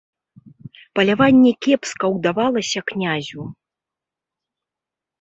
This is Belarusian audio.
Паляванне кепска ўдавалася князю.